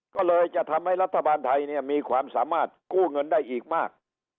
ก็เลยจะทำให้รัฐบาลไทยเนี่ยมีความสามารถกู้เงินได้อีกมาก